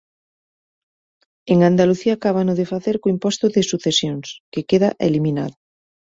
En Andalucía acábano de facer co imposto de sucesións, que queda eliminado.